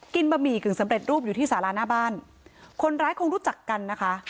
บะหมี่กึ่งสำเร็จรูปอยู่ที่สาราหน้าบ้านคนร้ายคงรู้จักกันนะคะ